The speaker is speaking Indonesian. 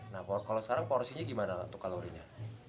nah kalau sekarang porsinya gimana untuk kalorinya